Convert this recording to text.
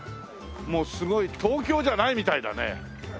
すごい東京じゃないみたいだね。